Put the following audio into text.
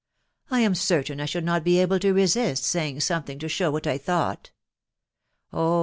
... I am certain I should not be able to resist saying something to show what I thought. Oh